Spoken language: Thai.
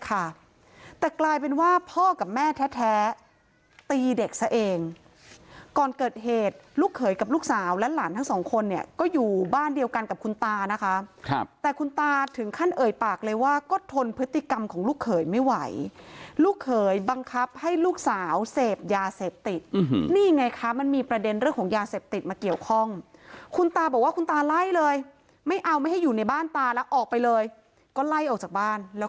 ก่อนเกิดเหตุลูกเคยกับลูกสาวและหลานทั้งสองคนเนี่ยก็อยู่บ้านเดียวกันกับคุณตานะคะครับแต่คุณตาถึงขั้นเอ่ยปากเลยว่าก็ทนพฤติกรรมของลูกเคยไม่ไหวลูกเคยบังคับให้ลูกสาวเสพยาเสพติดอืมนี่ไงคะมันมีประเด็นเรื่องของยาเสพติดมาเกี่ยวข้องคุณตาบอกว่าคุณตาไล่เลยไม่เอาไม่ให้อยู่ในบ้านตาแล้ว